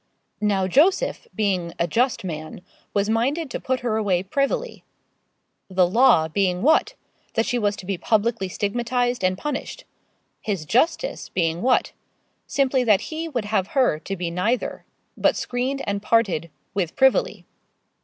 'Now, Joseph, being a just man, was minded to put her away privily.' The law being what? That she was to be publicly stigmatised and punished. His justice being what? Simply that he would have her to be neither but screened and parted 'with privily.'